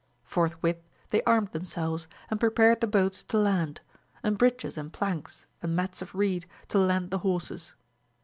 Forthwith they armed themselves, and prepared the boats to land, and bridges and planks and mats of reed to land the horses.